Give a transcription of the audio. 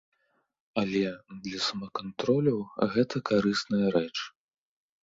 Але для самакантролю гэта карысная рэч.